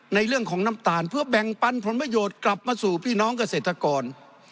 ในเรื่องของน้ำตาลเพื่อแบ่งปันผลประโยชน์กลับมาสู่พี่น้องเกษตรกร